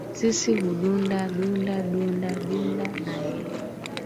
Sisi hudunda dunda, dunda dunda na yeye.